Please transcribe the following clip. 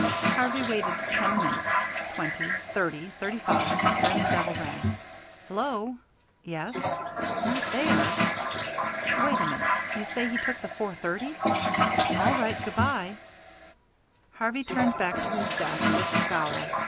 Harvey waited ten minutes, twenty, thirty, thirty five then the bell rang. "Hello!" "Yes." "Not there?" "Wait a minute. You say he took the 4.30?" "All right. Good by." Harvey turned back to his desk with a scowl.